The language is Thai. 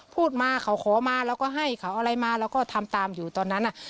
พูดมาเขาขอมาเราก็ให้เขาอะไรมาเราก็ทำตามอยู่ตอนนั้น